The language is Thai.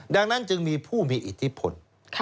ดังนั้นจึงมีผู้มีอิทธิพล